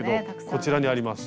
こちらにあります